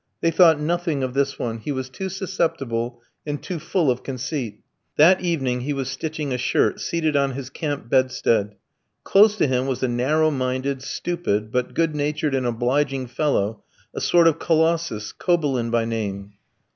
They thought nothing of this one, he was too susceptible and too full of conceit. That evening he was stitching a shirt, seated on his camp bedstead. Close to him was a narrow minded, stupid, but good natured and obliging fellow, a sort of Colossus, Kobylin by name.